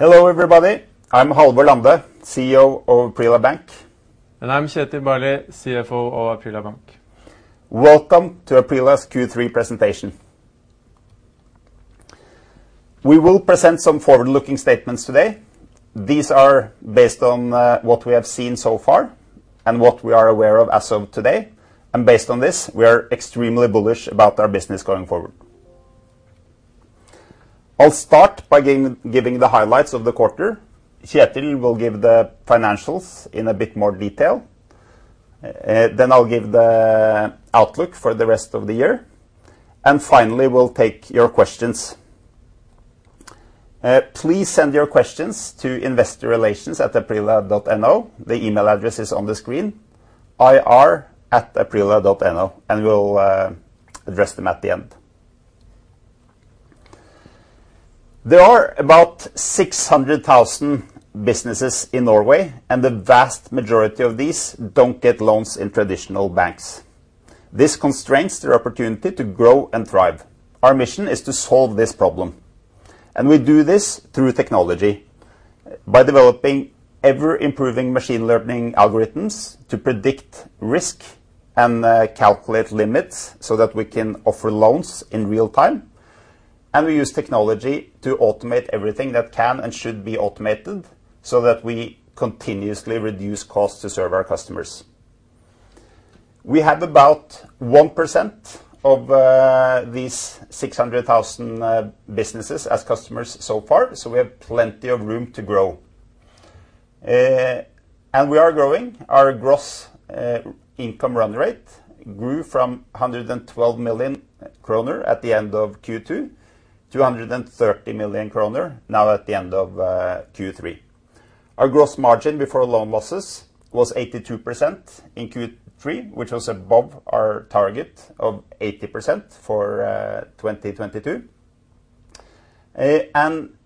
Hello everybody. I'm Halvor Lande, CEO of Aprila Bank. I'm Kjetil Barli, CFO of Aprila Bank. Welcome to Aprila's Q3 presentation. We will present some forward-looking statements today. These are based on what we have seen so far and what we are aware of as of today. Based on this, we are extremely bullish about our business going forward. I'll start by giving the highlights of the quarter. Kjetil will give the financials in a bit more detail. I'll give the outlook for the rest of the year. Finally, we'll take your questions. Please send your questions to investorrelations@aprila.no. The email address is on the screen, ir@aprila.no, and we'll address them at the end. There are about 600,000 businesses in Norway and the vast majority of these don't get loans in traditional banks. This constrains their opportunity to grow and thrive. Our mission is to solve this problem, and we do this through technology by developing ever improving machine learning algorithms to predict risk and calculate limits so that we can offer loans in real time. We use technology to automate everything that can and should be automated so that we continuously reduce costs to serve our customers. We have about 1% of these 600,000 businesses as customers so far, so we have plenty of room to grow. We are growing. Our gross income run rate grew from 112 million kroner at the end of Q2 to 130 million kroner now at the end of Q3. Our gross margin before loan losses was 82% in Q3, which was above our target of 80% for 2022.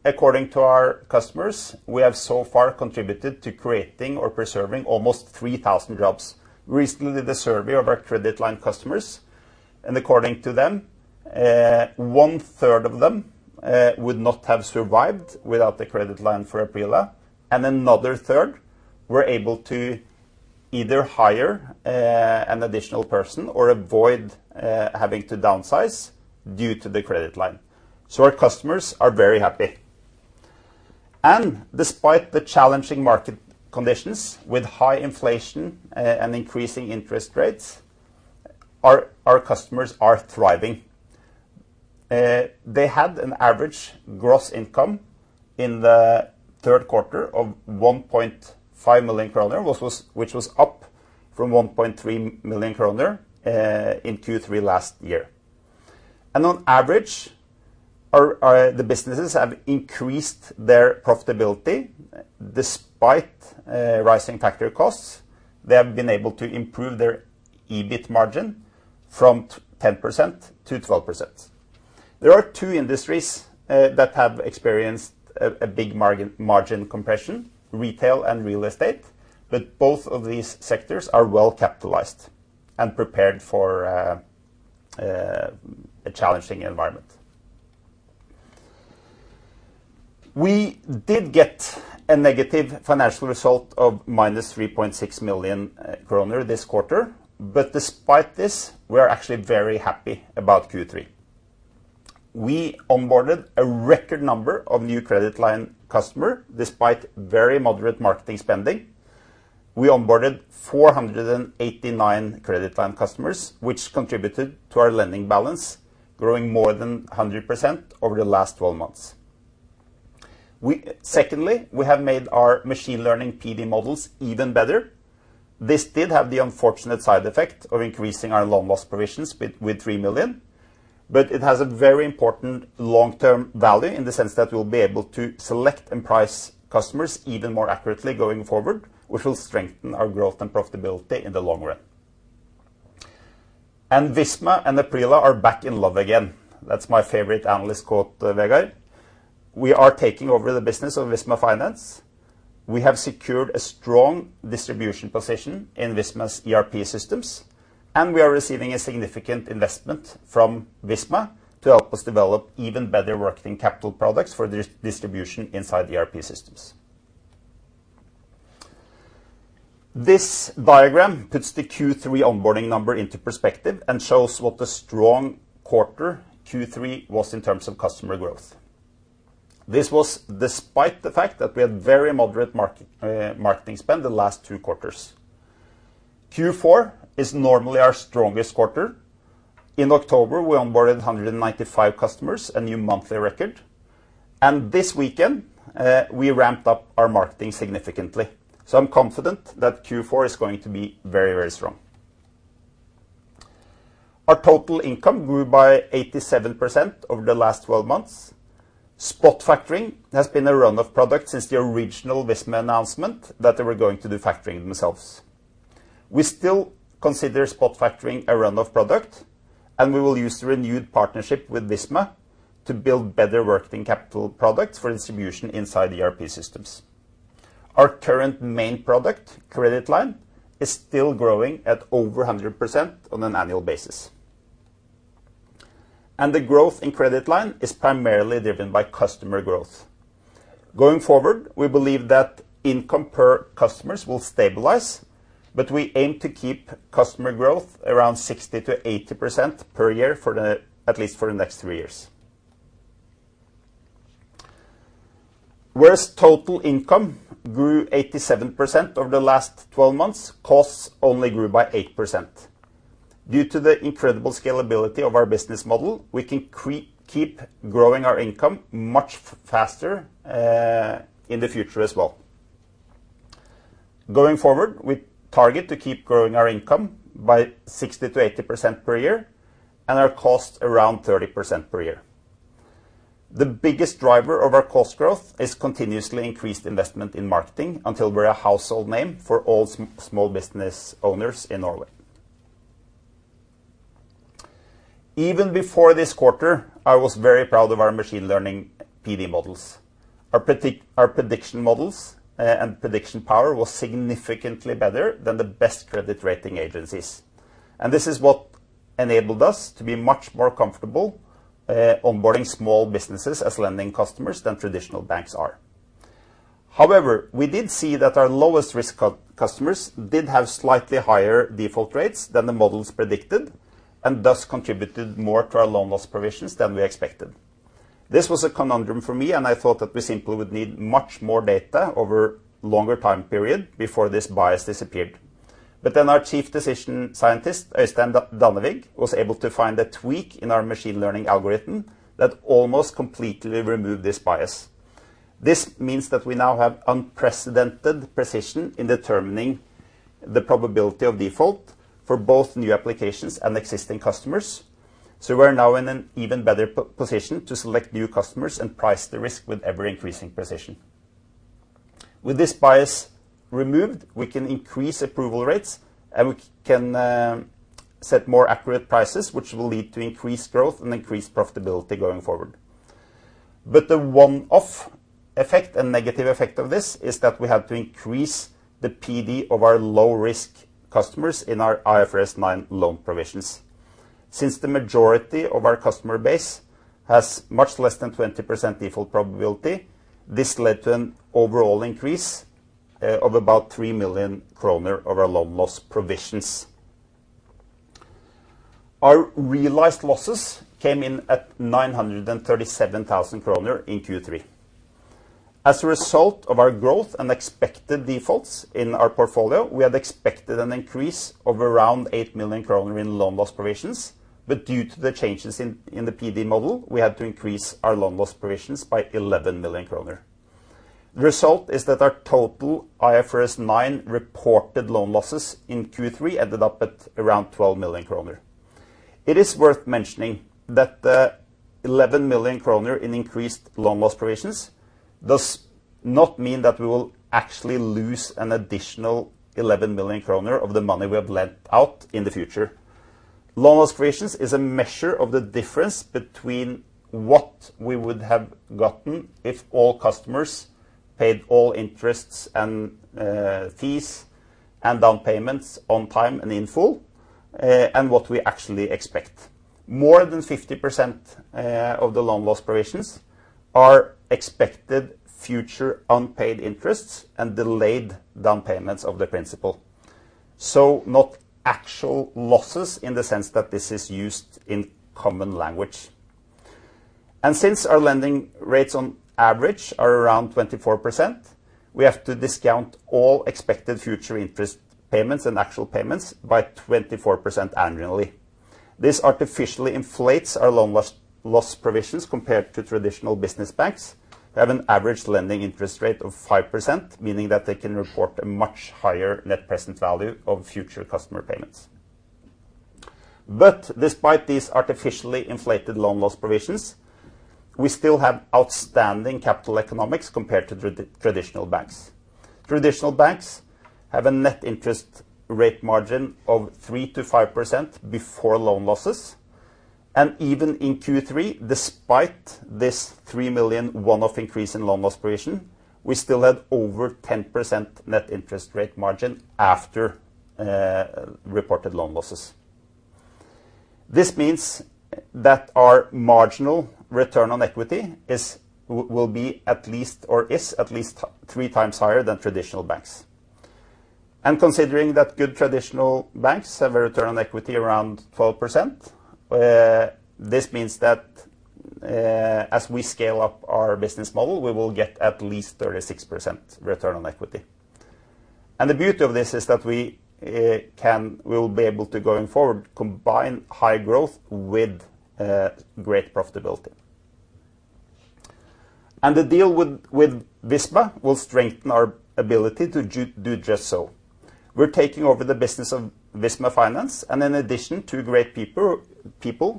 According to our customers, we have so far contributed to creating or preserving almost 3,000 jobs. Recently the survey of our credit line customers and according to them, one third of them would not have survived without the credit line for Aprila and another third were able to either hire an additional person or avoid having to downsize due to the credit line. Our customers are very happy. Despite the challenging market conditions with high inflation and increasing interest rates, our customers are thriving. They had an average gross income in the third quarter of 1.5 million kroner, which was up from 1.3 million kroner in Q3 last year. On average, our businesses have increased their profitability despite rising factor costs. They have been able to improve their EBIT margin from 10% to 12%. There are two industries that have experienced a big margin compression: retail and real estate. Both of these sectors are well capitalized and prepared for a challenging environment. We did get a negative financial result of -3.6 million kroner this quarter. Despite this, we are actually very happy about Q3. We onboarded a record number of new credit line customer despite very moderate marketing spending. We onboarded 489 credit line customers, which contributed to our lending balance growing more than 100% over the last twelve months. Secondly, we have made our machine learning PD models even better. This did have the unfortunate side effect of increasing our loan loss provisions with 3 million. It has a very important long-term value in the sense that we'll be able to select and price customers even more accurately going forward, which will strengthen our growth and profitability in the long run. Visma and Aprila are back in love again. That's my favorite analyst quote, Vegard. We are taking over the business of Visma Finance. We have secured a strong distribution position in Visma's ERP systems, and we are receiving a significant investment from Visma to help us develop even better working capital products for distribution inside the ERP systems. This diagram puts the Q3 onboarding number into perspective and shows what a strong quarter Q3 was in terms of customer growth. This was despite the fact that we had very moderate market, marketing spend the last two quarters. Q4 is normally our strongest quarter. In October, we onboarded 195 customers, a new monthly record. This weekend, we ramped up our marketing significantly. I'm confident that Q4 is going to be very, very strong. Our total income grew by 87% over the last 12 months. Spot factoring has been a runaway product since the original Visma announcement that they were going to do factoring themselves. We still consider spot factoring a runaway product, and we will use the renewed partnership with Visma to build better working capital products for distribution inside ERP systems. Our current main product, credit line, is still growing at over 100% on an annual basis. The growth in credit line is primarily driven by customer growth. Going forward, we believe that income per customers will stabilize, but we aim to keep customer growth around 60%-80% per year for at least the next three years. Whereas total income grew 87% over the last 12 months, costs only grew by 8%. Due to the incredible scalability of our business model, we can keep growing our income much faster in the future as well. Going forward, we target to keep growing our income by 60%-80% per year and our costs around 30% per year. The biggest driver of our cost growth is continuously increased investment in marketing until we're a household name for all small business owners in Norway. Even before this quarter, I was very proud of our machine learning PD models. Our prediction models and prediction power was significantly better than the best credit rating agencies, and this is what enabled us to be much more comfortable onboarding small businesses as lending customers than traditional banks are. However, we did see that our lowest risk customers did have slightly higher default rates than the models predicted and thus contributed more to our loan loss provisions than we expected. This was a conundrum for me, and I thought that we simply would need much more data over longer time period before this bias disappeared. Our Chief Decision Scientist, Øystein Dannevig, was able to find a tweak in our machine learning algorithm that almost completely removed this bias. This means that we now have unprecedented precision in determining the probability of default for both new applications and existing customers, so we're now in an even better position to select new customers and price the risk with ever-increasing precision. With this bias removed, we can increase approval rates and we can set more accurate prices, which will lead to increased growth and increased profitability going forward. The one-off effect and negative effect of this is that we have to increase the PD of our low-risk customers in our IFRS 9 loan provisions. Since the majority of our customer base has much less than 20% default probability, this led to an overall increase of about 3 million kroner of our loan loss provisions. Our realized losses came in at 937,000 kroner in Q3. As a result of our growth and expected defaults in our portfolio, we had expected an increase of around 8 million kroner in loan loss provisions, but due to the changes in the PD model, we had to increase our loan loss provisions by 11 million kroner. The result is that our total IFRS 9 reported loan losses in Q3 ended up at around 12 million kroner. It is worth mentioning that the 11 million kroner in increased loan loss provisions does not mean that we will actually lose an additional 11 million kroner of the money we have lent out in the future. Loan loss provisions is a measure of the difference between what we would have gotten if all customers paid all interests and fees and down payments on time and in full, and what we actually expect. More than 50% of the loan loss provisions are expected future unpaid interests and delayed down payments of the principal, so not actual losses in the sense that this is used in common language. Since our lending rates on average are around 24%, we have to discount all expected future interest payments and actual payments by 24% annually. This artificially inflates our loan loss provisions compared to traditional business banks who have an average lending interest rate of 5%, meaning that they can report a much higher net present value of future customer payments. Despite these artificially inflated loan loss provisions, we still have outstanding capital economics compared to traditional banks. Traditional banks have a net interest rate margin of 3%-5% before loan losses. Even in Q3, despite this 3 million one-off increase in loan loss provision, we still had over 10% net interest rate margin after reported loan losses. This means that our marginal return on equity will be at least, or is at least 3x higher than traditional banks. Considering that good traditional banks have a return on equity around 12%, this means that as we scale up our business model, we will get at least 36% return on equity. The beauty of this is that we will be able to, going forward, combine high growth with great profitability. The deal with Visma will strengthen our ability to do just so. We're taking over the business of Visma Finance, and in addition, two great people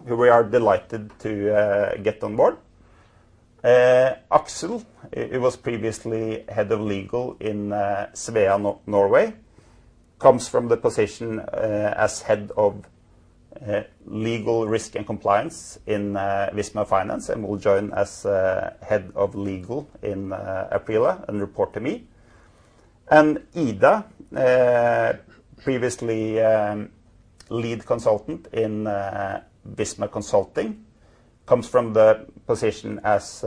who we are delighted to get on board. Aksel, he was previously head of legal in Svea Norway, comes from the position as head of legal, risk and compliance in Visma Finance and will join as head of legal in Aprila and report to me. Ida, previously lead consultant in Visma Consulting, comes from the position as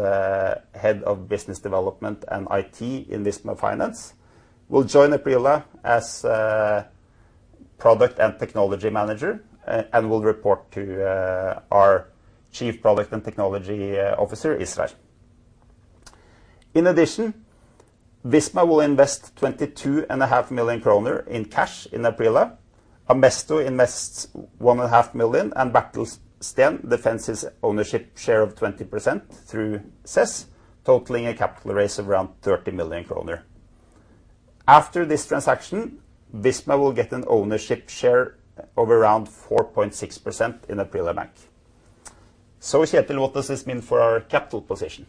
head of business development and IT in Visma Finance, will join Aprila as product and technology manager, and will report to our Chief Product and Technology Officer, Israr Khan. In addition, Visma will invest 22 and a half million NOK in Aprila. Amesto invests 1 and a half million NOK, and Bertel Steen defends his ownership share of 20% through SES, totaling a capital raise of around 30 million kroner. After this transaction, Visma will get an ownership share of around 4.6% in Aprila Bank. Kjetil, what does this mean for our capital position?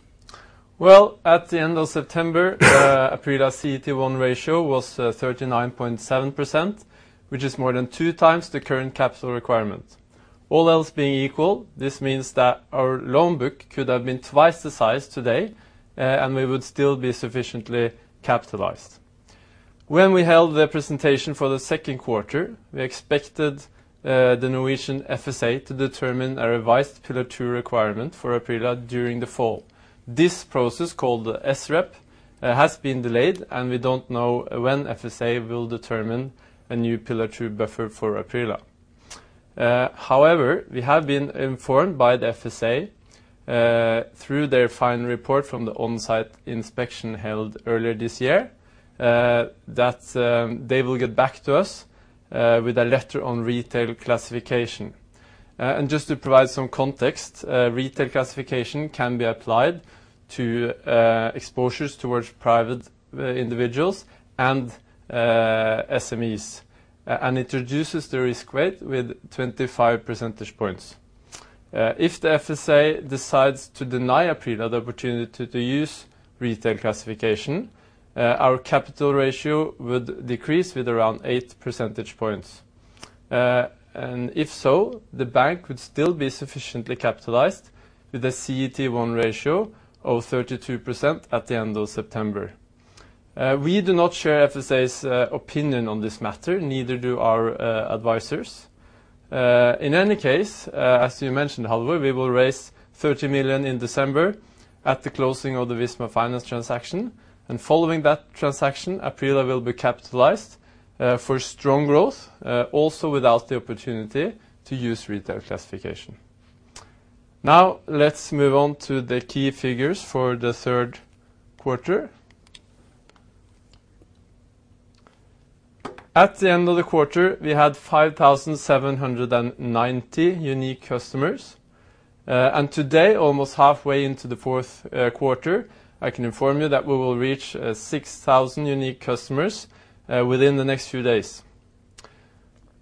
Well, at the end of September, Aprila's CET1 ratio was 39.7%, which is more than 2x the current capital requirement. All else being equal, this means that our loan book could have been twice the size today, and we would still be sufficiently capitalized. When we held the presentation for the second quarter, we expected the Norwegian FSA to determine a revised Pillar 2 requirement for Aprila during the fall. This process, called the SREP, has been delayed, and we don't know when FSA will determine a new Pillar 2 buffer for Aprila. However, we have been informed by the FSA through their final report from the onsite inspection held earlier this year that they will get back to us with a letter on retail classification. Just to provide some context, retail classification can be applied to exposures towards private individuals and SMEs, and introduces the risk weight with 25 percentage points. If the FSA decides to deny Aprila the opportunity to use retail classification, our capital ratio would decrease with around 8 percentage points. If so, the bank would still be sufficiently capitalized with a CET1 ratio of 32% at the end of September. We do not share FSA's opinion on this matter, neither do our advisors. In any case, as you mentioned, Halvor, we will raise 30 million in December at the closing of the Visma Finance transaction. Following that transaction, Aprila will be capitalized for strong growth, also without the opportunity to use retail classification. Now, let's move on to the key figures for the third quarter. At the end of the quarter, we had 5,790 unique customers. Today, almost halfway into the fourth quarter, I can inform you that we will reach 6,000 unique customers within the next few days.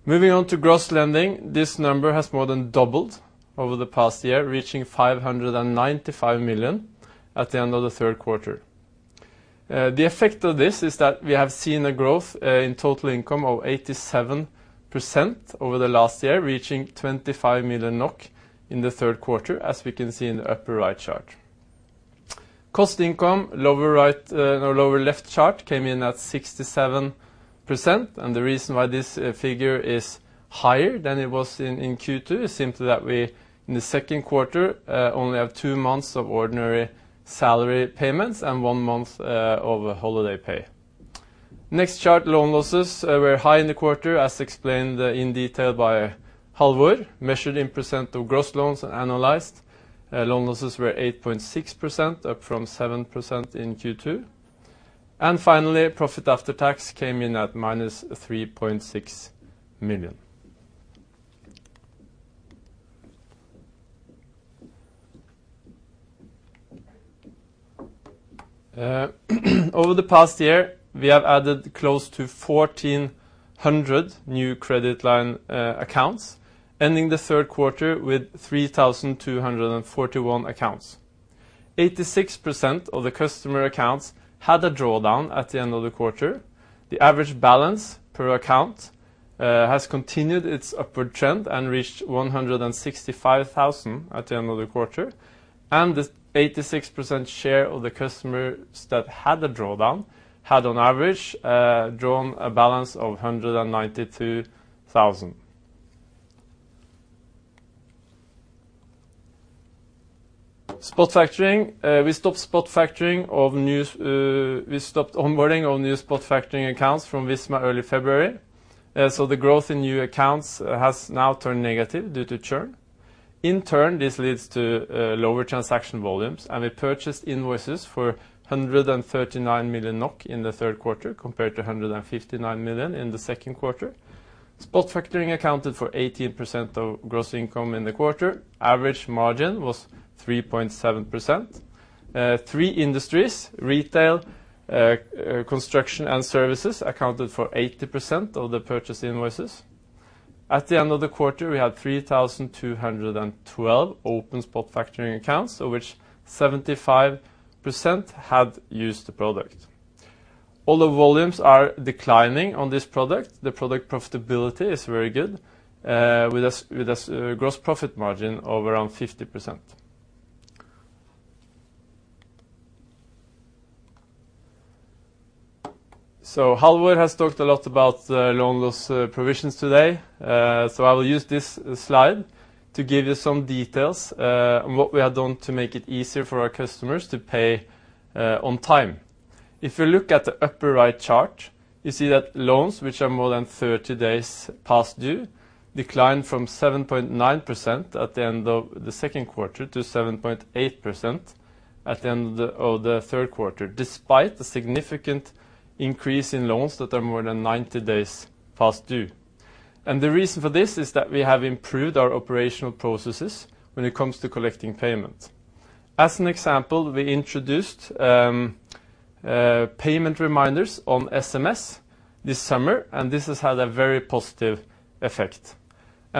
Moving on to gross lending, this number has more than doubled over the past year, reaching 595 million at the end of the third quarter. The effect of this is that we have seen a growth in total income of 87% over the last year, reaching 25 million NOK in the third quarter, as we can see in the upper right chart. Cost income, lower right, no lower left chart, came in at 67%, and the reason why this figure is higher than it was in Q2 is simply that we, in the second quarter, only have two months of ordinary salary payments and one month of holiday pay. Next chart, loan losses were high in the quarter, as explained in detail by Halvor. Measured in percent of gross loans analyzed, loan losses were 8.6%, up from 7% in Q2. Finally, profit after tax came in at -3.6 million. Over the past year, we have added close to 1,400 new credit line accounts, ending the third quarter with 3,241 accounts. 86% of the customer accounts had a drawdown at the end of the quarter. The average balance per account has continued its upward trend and reached 165,000 at the end of the quarter, and the 86% share of the customers that had a drawdown had, on average, drawn a balance of 192,000. Spot factoring. We stopped onboarding all new spot factoring accounts from Visma early February. So the growth in new accounts has now turned negative due to churn. In turn, this leads to lower transaction volumes, and we purchased invoices for 139 million NOK in the third quarter, compared to 159 million in the second quarter. Spot factoring accounted for 18% of gross income in the quarter. Average margin was 3.7%. Three industries, retail, construction, and services accounted for 80% of the purchase invoices. At the end of the quarter, we had 3,212 open spot factoring accounts, of which 75% had used the product. Although volumes are declining on this product, the product profitability is very good, with a gross profit margin of around 50%. Halvor has talked a lot about loan loss provisions today. I will use this slide to give you some details on what we have done to make it easier for our customers to pay on time. If you look at the upper right chart, you see that loans which are more than 30 days past due decline from 7.9% at the end of the second quarter to 7.8% at the end of the third quarter, despite the significant increase in loans that are more than 90 days past due. The reason for this is that we have improved our operational processes when it comes to collecting payments. As an example, we introduced payment reminders on SMS this summer, and this has had a very positive effect.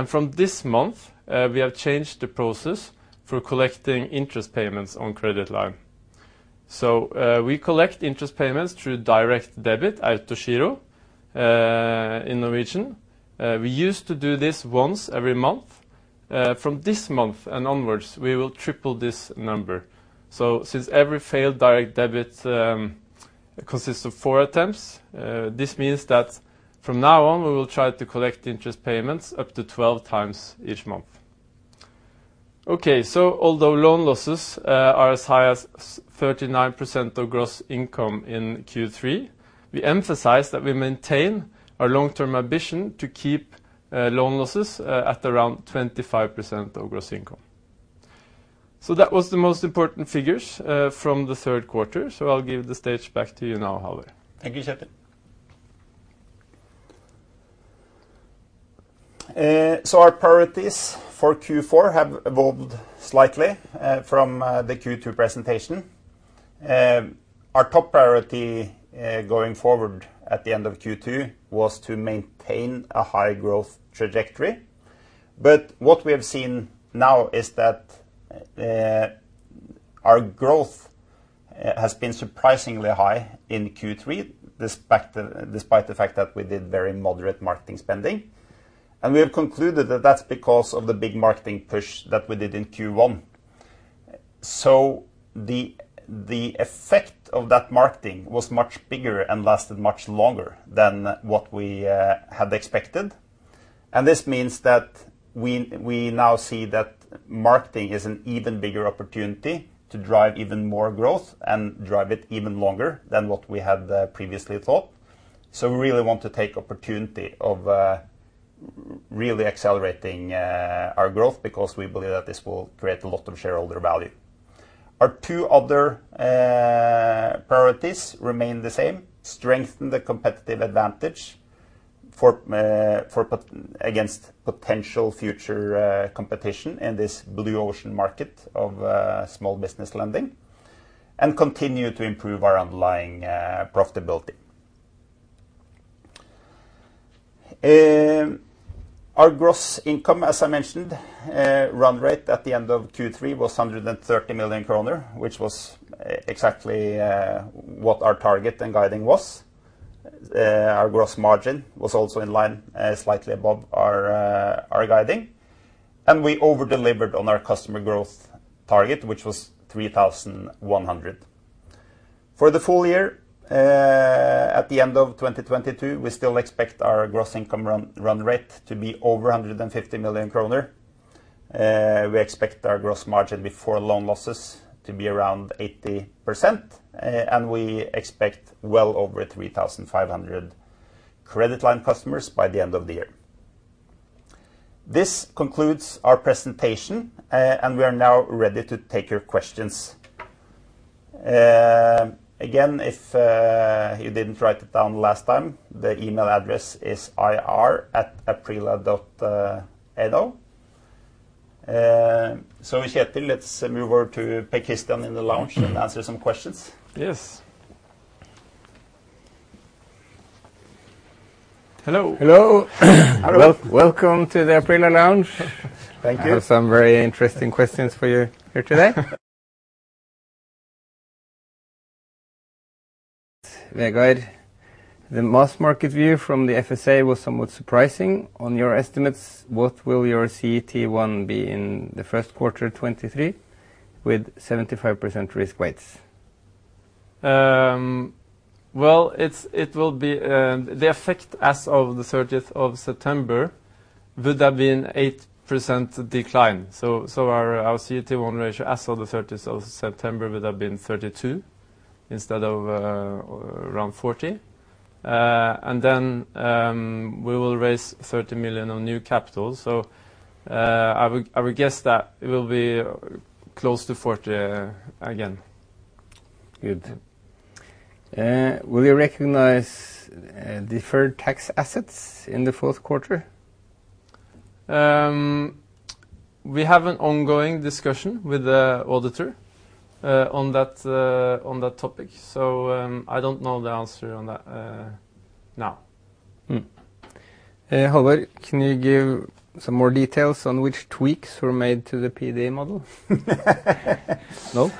From this month, we have changed the process for collecting interest payments on credit line. We collect interest payments through direct debit, Autogiro, in Norwegian. We used to do this once every month. From this month and onwards, we will triple this number. Since every failed direct debit consists of 4 attempts, this means that from now on, we will try to collect interest payments up to 12x each month. Okay, although loan losses are as high as 39% of gross income in Q3, we emphasize that we maintain our long-term ambition to keep loan losses at around 25% of gross income. That was the most important figures from the third quarter. I'll give the stage back to you now, Halvor. Thank you, Kjetil. Our priorities for Q4 have evolved slightly from the Q2 presentation. Our top priority going forward at the end of Q2 was to maintain a high growth trajectory. What we have seen now is that our growth has been surprisingly high in Q3, despite the fact that we did very moderate marketing spending. We have concluded that that's because of the big marketing push that we did in Q1. The effect of that marketing was much bigger and lasted much longer than what we had expected. This means that we now see that marketing is an even bigger opportunity to drive even more growth and drive it even longer than what we had previously thought. We really want to take the opportunity to really accelerate our growth because we believe that this will create a lot of shareholder value. Our two other priorities remain the same. Strengthen the competitive advantage against potential future competition in this blue ocean market of small business lending. Continue to improve our underlying profitability. Our gross income, as I mentioned, run rate at the end of Q3 was 130 million kroner, which was exactly what our target and guidance was. Our gross margin was also in line, slightly above our guidance. We over-delivered on our customer growth target, which was 3,100. For the full year, at the end of 2022, we still expect our gross income run rate to be over 150 million kroner. We expect our gross margin before loan losses to be around 80%. We expect well over 3,500 credit line customers by the end of the year. This concludes our presentation, and we are now ready to take your questions. Again, if you didn't write it down last time, the email address is ir@aprila.no. Kjetil, let's move over to Per Christian in the lounge and answer some questions. Yes. Hello. Hello. Hello. Welcome to the Aprila lounge. Thank you. I have some very interesting questions for you here today. The mass market view from the FSA was somewhat surprising. On your estimates, what will your CET1 be in the first quarter 2023 with 75% risk weights? Well, it will be the effect as of the 13th of September would have been 8% decline. Our CET1 ratio as of the 13th of September would have been 32% instead of around 40%. We will raise 30 million in new capital. I would guess that it will be close to 40% again. Good. Will you recognize deferred tax assets in the fourth quarter? We have an ongoing discussion with the auditor on that topic. I don't know the answer on that now. Halvor, can you give some more details on which tweaks were made to the PD model? No?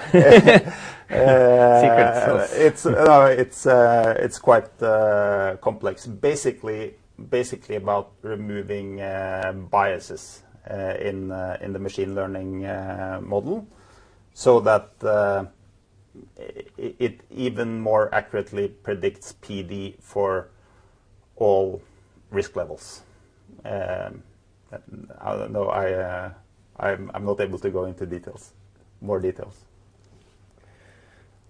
Uh. Secret sauce. It's quite complex. Basically about removing biases in the machine learning model, so that it even more accurately predicts PD for all risk levels. I don't know, I'm not able to go into details, more details.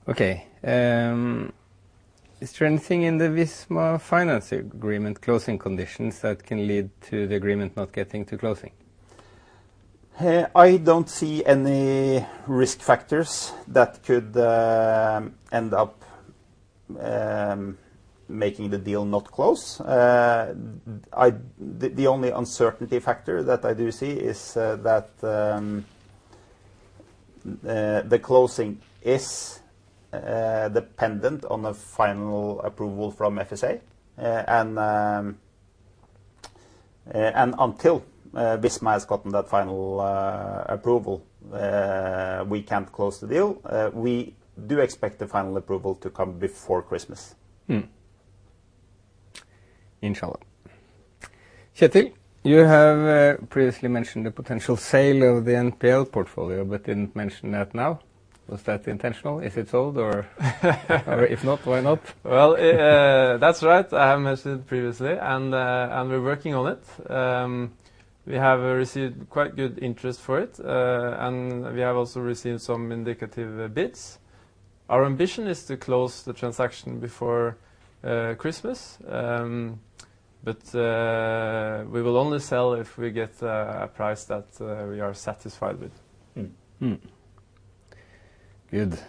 Okay. Is there anything in the Visma Finance Agreement closing conditions that can lead to the agreement not getting to closing? I don't see any risk factors that could end up making the deal not close. The only uncertainty factor that I do see is that the closing is dependent on a final approval from FSA. Until Visma has gotten that final approval, we can't close the deal. We do expect the final approval to come before Christmas. Inshallah. Kjetil, you have previously mentioned the potential sale of the NPL portfolio, but didn't mention that now. Was that intentional? Is it sold? Or if not, why not? Well, that's right. I have mentioned previously, and we're working on it. We have received quite good interest for it. We have also received some indicative bids. Our ambition is to close the transaction before Christmas. We will only sell if we get a price that we are satisfied with. Good.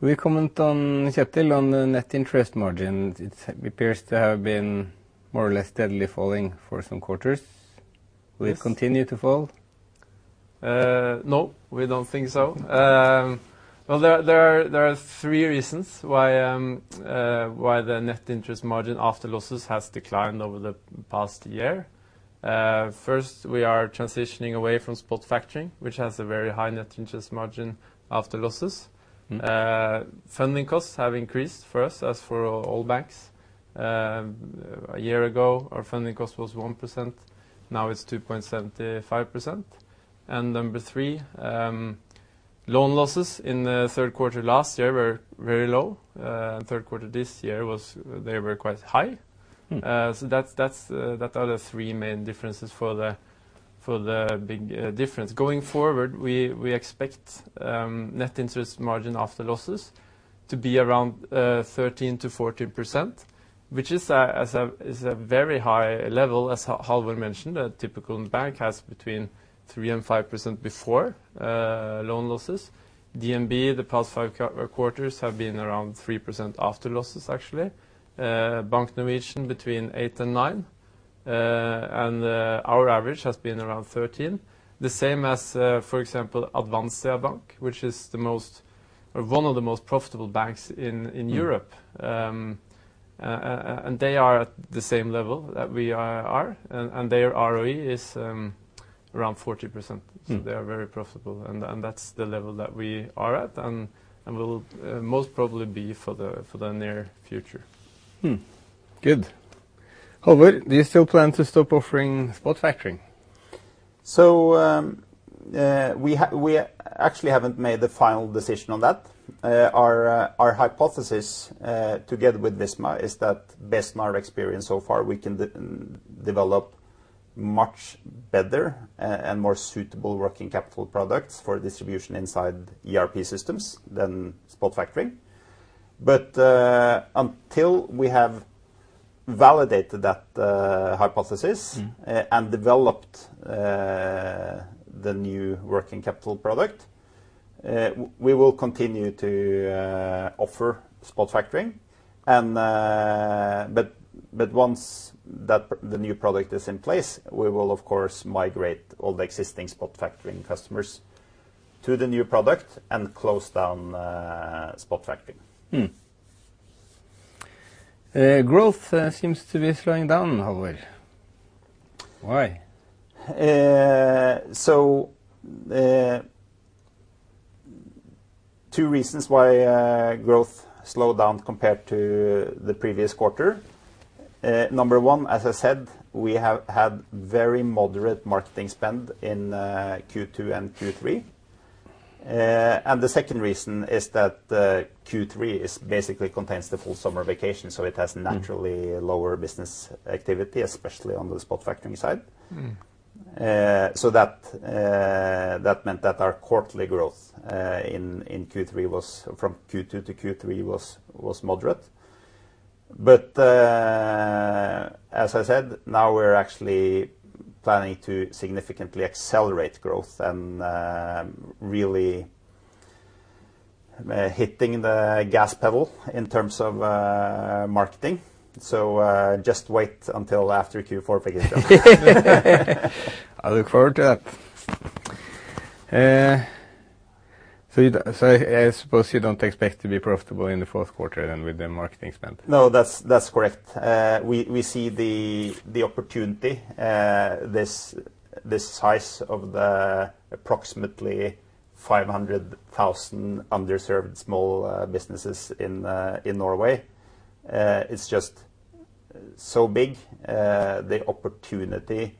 Will you comment on, Kjetil, on the net interest margin? It appears to have been more or less steadily falling for some quarters. Yes. Will it continue to fall? No, we don't think so. Well, there are three reasons why the net interest margin after losses has declined over the past year. First, we are transitioning away from spot factoring, which has a very high net interest margin after losses. Funding costs have increased for us as for all banks. A year ago, our funding cost was 1%, now it's 2.75%. Number three, loan losses in the third quarter last year were very low. Third quarter this year, they were quite high. That's that are the three main differences for the big difference. Going forward, we expect net interest margin after losses to be around 13%-14%, which is a very high level. As Halvor mentioned, a typical bank has between 3%-5% before loan losses. DNB, the past 5 quarters have been around 3% after losses, actually. Bank Norwegian between 8%-9%. And our average has been around 13%. The same as, for example, Advanzia Bank, which is one of the most profitable banks in Europe. And they are at the same level that we are. And their ROE is around 40%. They are very profitable, and that's the level that we are at and will most probably be for the near future. Good. Halvor, do you still plan to stop offering spot factoring? We actually haven't made the final decision on that. Our hypothesis together with Visma is that based on our experience so far, we can develop much better and more suitable working capital products for distribution inside ERP systems than spot factoring. Until we have validated that hypothesis and developed the new working capital product. We will continue to offer spot factoring and, once the new product is in place, we will of course migrate all the existing spot factoring customers to the new product and close down spot factoring. Growth seems to be slowing down, Halvor. Why? Two reasons why growth slowed down compared to the previous quarter. Number one, as I said, we have had very moderate marketing spend in Q2 and Q3. The second reason is that Q3 basically contains the full summer vacation, so it has naturally lower business activity, especially on the spot factoring side. That meant that our quarterly growth in Q3 was from Q2 to Q3 moderate. As I said, now we're actually planning to significantly accelerate growth and really hitting the gas pedal in terms of marketing. Just wait until after Q4 begins. I look forward to that. I suppose you don't expect to be profitable in the fourth quarter then with the marketing spend? No, that's correct. We see the opportunity, this size of the approximately 500,000 underserved small businesses in Norway. It's just so big. The opportunity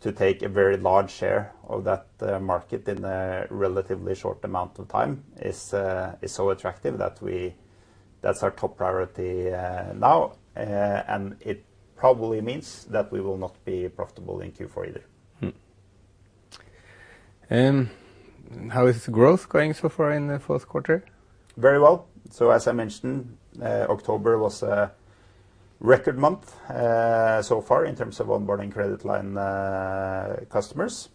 to take a very large share of that market in a relatively short amount of time is so attractive that we, that's our top priority now. It probably means that we will not be profitable in Q4 either. How is growth going so far in the fourth quarter? Very well. As I mentioned, October was a record month so far in terms of onboarding credit line customers.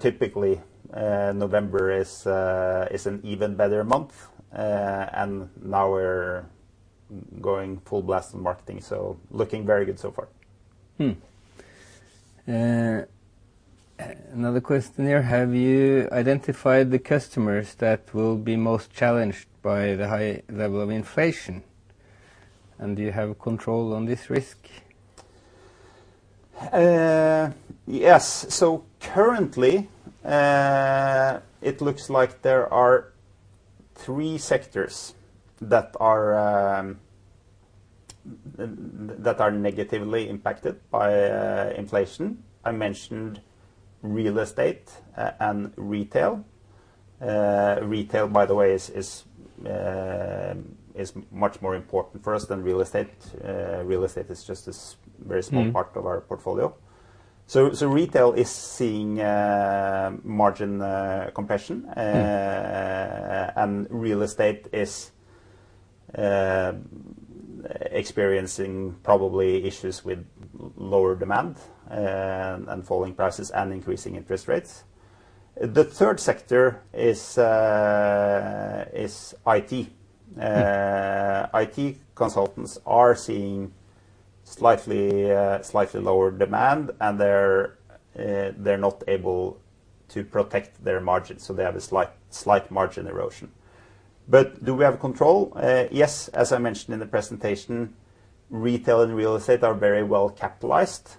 Typically, November is an even better month. Now we're going full blast in marketing, so looking very good so far. Another question here. Have you identified the customers that will be most challenged by the high level of inflation? Do you have control on this risk? Yes. Currently, it looks like there are three sectors that are negatively impacted by inflation. I mentioned real estate and retail. Retail, by the way, is much more important for us than real estate. Real estate is just this very small part of our portfolio. Retail is seeing margin compression. Real estate is experiencing probably issues with lower demand, and falling prices and increasing interest rates. The third sector is IT. IT consultants are seeing slightly lower demand, and they're not able to protect their margins, so they have a slight margin erosion. Do we have control? Yes. As I mentioned in the presentation, retail and real estate are very well capitalized.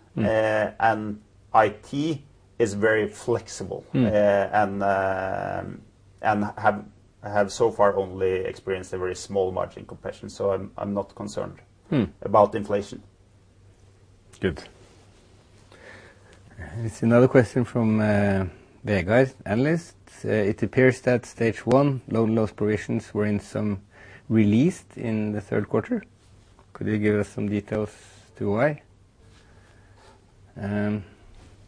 IT is very flexible. Have so far only experienced a very small margin compression. I'm not concerned about inflation. Good. It's another question from the guys, analysts. It appears that Stage 1 loan loss provisions were somewhat released in the third quarter. Could you give us some details as to why?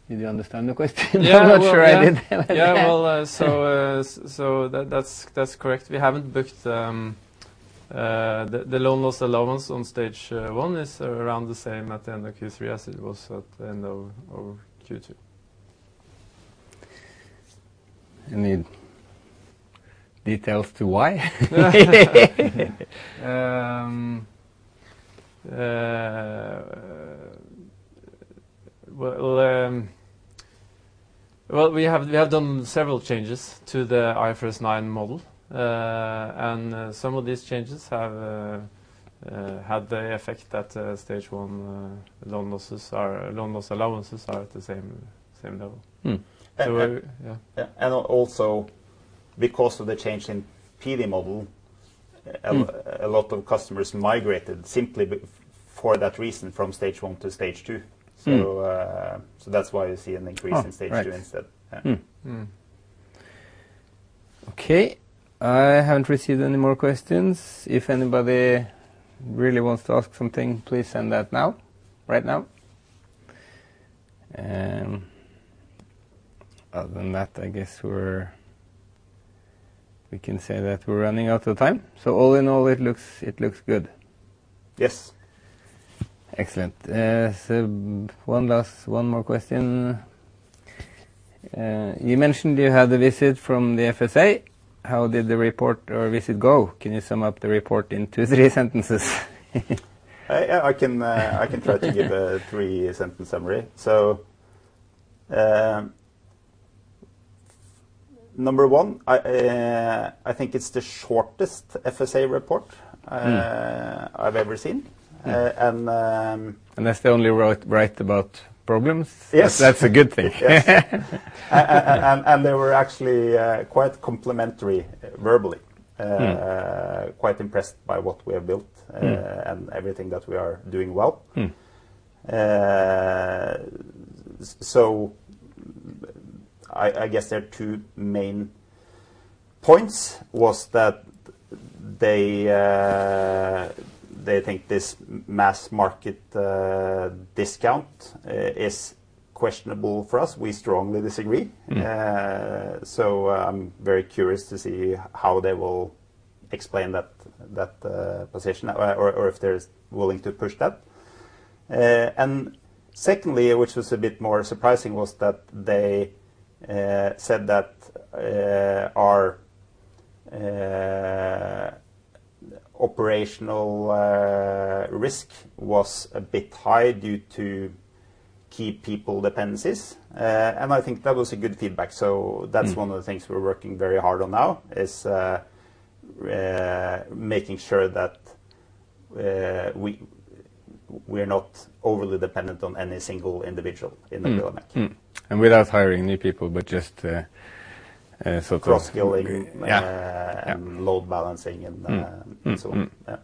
Did you understand the question? Yeah. Well, I'm not sure I did. Well, that's correct. We haven't booked the loan loss allowance on stage one is around the same at the end of Q3 as it was at the end of Q2. Any details to why? We have done several changes to the IFRS 9 model. Some of these changes have had the effect that stage one loan loss allowances are at the same level. Yeah. Also because of the change in PD model a lot of customers migrated simply for that reason, from stage one to stage two that's why you see an increase in stage two instead. Okay. I haven't received any more questions. If anybody really wants to ask something, please send that now, right now. Other than that, I guess we can say that we're running out of time. All in all, it looks good. Yes. Excellent. So one more question. You mentioned you had a visit from the FSA. How did the report or visit go? Can you sum up the report in 2, 3 sentences? I can try to give a three-sentence summary. Number one, I think it's the shortest FSA report I've ever seen. Unless they only write about problems. Yes. That's a good thing. Yes. They were actually quite complimentary verbally. Quite impressed by what we have built. Everything that we are doing well. I guess their two main points was that they think this mass market discount is questionable for us. We strongly disagree. So, I'm very curious to see how they will explain that position or if they're willing to push that. Secondly, which was a bit more surprising, was that they said that our operational risk was a bit high due to key people dependencies. I think that was a good feedback. That's one of the things we're working very hard on now is making sure that we're not overly dependent on any single individual in the organization. Without hiring new people, but just sort of. Cross-skilling. Yeah, yeah. Load balancing and so on. Yeah.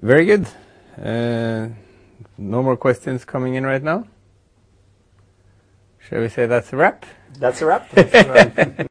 Very good. No more questions coming in right now. Shall we say that's a wrap? That's a wrap.